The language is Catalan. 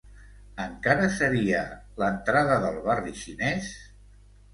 Encara seria l'entrada del barri xinés?